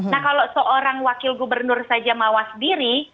nah kalau seorang wakil gubernur saja mawas diri